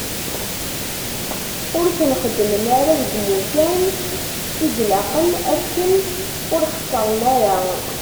Ur ten-xeddmen ara deg yimukan i ilaqen akken ur xettren ara.